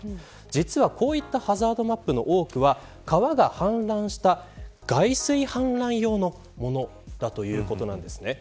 実はこういったハザードマップの多くは川が氾濫した外水氾濫用のものだということなんですね。